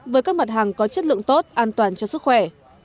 với các mặt hàng có chất lượng tốt an toàn cho sức khỏe